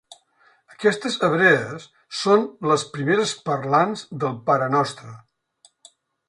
Aquestes hebrees són les primeres parlants del parenostre.